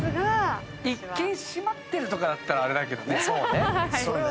一見閉まってるとかだったらあれだけどね。